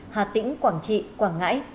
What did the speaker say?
hà tĩnh quảng trị quảng ngãi